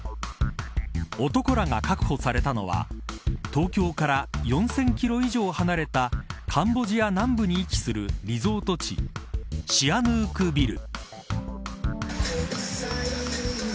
男らが確保されたのは東京から４０００キロ以上離れたカンボジア南部に位置するリゾート地シアヌークビル。